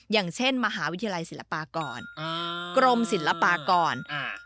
อย่างเช่นมหาวิทยาลัยศิลปากรกรมศิลปากรอ่า